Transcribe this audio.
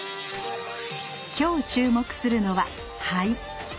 今日注目するのは「肺」。